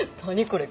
これ。